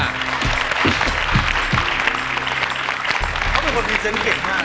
เขาเป็นคนพรีเซนต์เก่งมาก